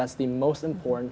itu adalah yang paling penting